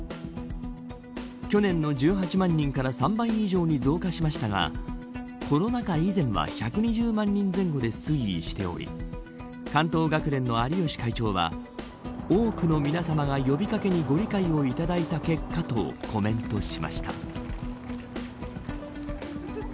去年の１８万人から３倍以上に増加しましたがコロナ禍以前は１２０万人前後で推移しており関東学連の有吉会長は多くの皆さまが呼びかけにご理解いただいた結果とコメントしました。